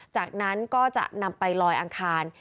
จากนั้นก็จะนำไปลอยอังคาร